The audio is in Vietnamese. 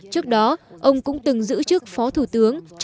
trước đó ông cũng từng giữ chức phó thủ tướng